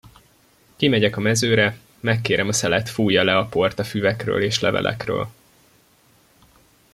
Kimegyek a mezőre, megkérem a szelet, fújja le a port a füvekről és levelekről.